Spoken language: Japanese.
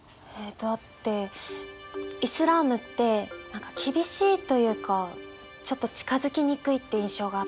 だってイスラームって何か厳しいというかちょっと近づきにくいって印象があって。